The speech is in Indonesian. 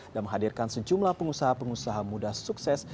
dan menghadirkan sejumlah pengusaha pengusaha muda sukses